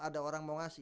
ada orang mau ngasih